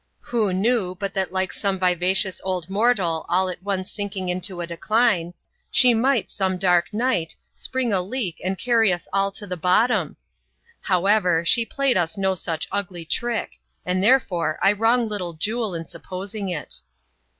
Who knew, but that like some viva cious old mortal all at once sinking into a decline, she might, some dark night, spring a leak and civTry wa «\V \o \Vva V>q11q\il V CHAP. iL] SOME ACCOUNT OF THE SHIP. 7 However, she played us no such ugly trick, and therefore I wrong Little Jule in supposing it.